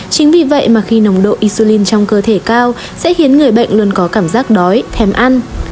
chính vì vậy mà khi nồng độ isolin trong cơ thể cao sẽ khiến người bệnh luôn có cảm giác đói thèm ăn